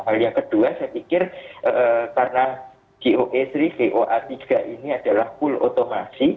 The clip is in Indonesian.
hal yang kedua saya pikir karena gos ini goa tiga ini adalah full otomasi